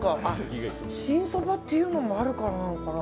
新そばっていうのもあるからなのかな。